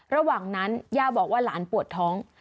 ระหว่างนั้นย่าบอกว่าหลานปวดท้อง